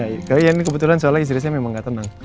iya kebetulan soalnya istri saya memang nggak tenang